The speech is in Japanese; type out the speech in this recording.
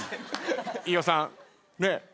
飯尾さんねっ。